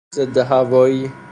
ضد هوایی